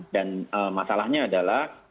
dan masalahnya adalah